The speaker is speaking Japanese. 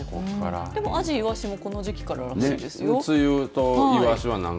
でも、あじ、いわしもこの時期からだそうですよ。